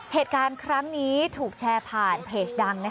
เหตุการณ์ครั้งนี้ถูกแชร์ผ่านเพจดัง